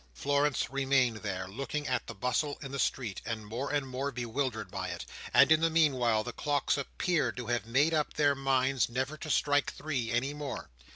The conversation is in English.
Florence remained there, looking at the bustle in the street, and more and more bewildered by it; and in the meanwhile the clocks appeared to have made up their minds never to strike three any more.